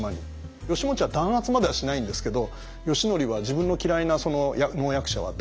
義持は弾圧まではしないんですけど義教は自分の嫌いな能役者は弾圧しちゃうんですよ。